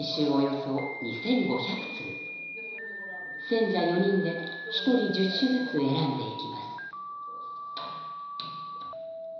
選者４人で一人十首ずつ選んでいきます。